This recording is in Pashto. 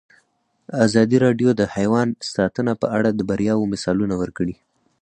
ازادي راډیو د حیوان ساتنه په اړه د بریاوو مثالونه ورکړي.